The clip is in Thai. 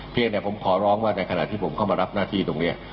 เพียงแต่ผมขอร้องว่าในขณะที่ผมเข้ามารับหน้าที่ตรงนี้